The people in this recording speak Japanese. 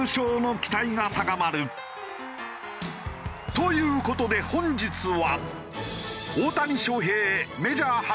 という事で本日は。